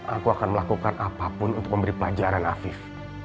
aku akan melakukan apapun untuk memberi pelajaran afif